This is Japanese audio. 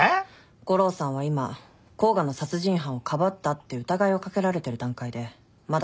悟郎さんは今甲賀の殺人犯をかばったって疑いを掛けられてる段階でまだ確たる証拠がないから。